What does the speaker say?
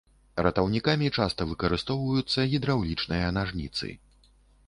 Ратаўнікамі часта выкарыстоўваюцца гідраўлічныя нажніцы.